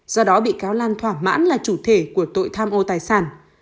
do đó bị cáo lan thỏa mãn là chủ thể của tội tham ô tài sản